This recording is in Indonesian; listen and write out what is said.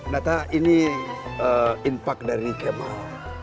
nata ini impak dari kemal